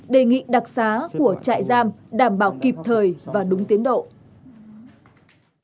đề nghị đặc xá của trại giam đảm bảo kịp thời và đúng tiến độ